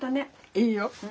いいよ。